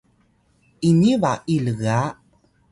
ini ba’iy lga